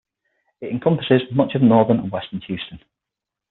It encompasses much of northern and western Houston.